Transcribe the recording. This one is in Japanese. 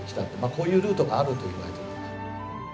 こういうルートがあるといわれています。